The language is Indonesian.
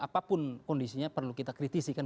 apapun kondisinya perlu kita kritisikan